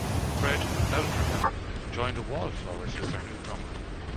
Fred Eltringham joined the Wallflowers as their new drummer.